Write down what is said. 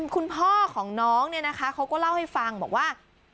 คุณพ่อของน้องเนี่ยนะคะเขาก็เล่าให้ฟังบอกว่า